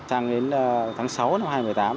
sang đến tháng sáu năm hai nghìn một mươi tám